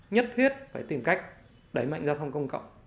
nhất thiết phải tìm cách đẩy mạnh giao thông công cộng